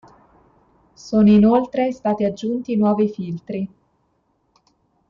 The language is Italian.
Sono inoltre stati aggiunti i nuovi filtri.